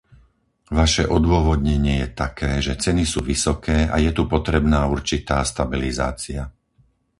Vaše odôvodnenie je také, že ceny sú vysoké a je tu potrebná určitá stabilizácia.